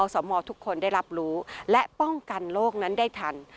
สมทุกคนได้รับรู้และป้องกันโรคนั้นได้ทัน